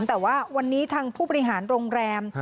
แต่ว่าวันนี้ทางผู้บริหารโรงแรม